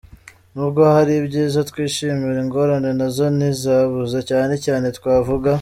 N’ubwo hari ibyiza twishimira, ingorane nazo ntizabuze, cyane cyane twavuga: